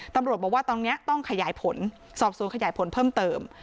ตำรวจบอกว่าตอนนี้ต้องขยายผลสอบสวนขยายผลเพิ่มเติม